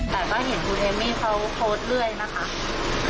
แต่ก็เห็นคุณเอมมี่เขาโพสต์เรื่อยนะคะ